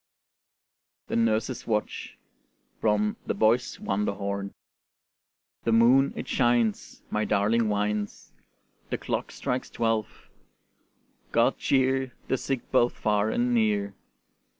THE NURSE'S WATCH From 'The Boy's Wonderhorn' The moon it shines, My darling whines; The clock strikes twelve: God cheer The sick both far and near.